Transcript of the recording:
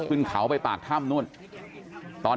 เพื่อนบ้านเจ้าหน้าที่อำรวจกู้ภัย